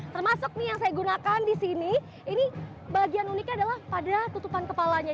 termasuk nih yang saya gunakan di sini ini bagian uniknya adalah pada tutupan kepalanya